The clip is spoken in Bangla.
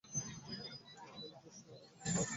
কোরো দোষ নয় আমারই কপালের দোষ।